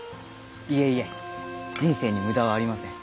いえいえ人生に無駄はありません。